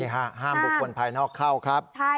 ห้ามบุคคลภายนอกเข้า